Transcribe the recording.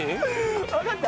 わかった？